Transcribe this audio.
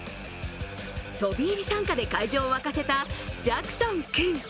飛び入り参加で会場を沸かせたジャクソン君。